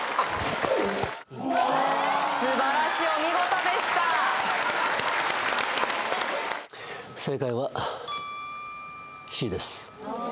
すばらしいお見事でした正解はＣです